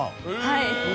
はい。